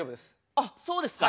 あそうですか。